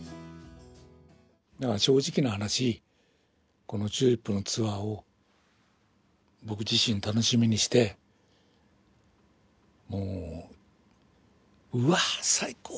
正直な話このＴＵＬＩＰのツアーを僕自身楽しみにしてもう「うわ最高！